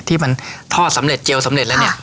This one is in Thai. ที่มันทอดสำเร็จเจียวสำเร็จแล้วเนี่ย